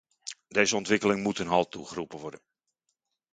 Deze ontwikkeling moet een halt toegeroepen worden.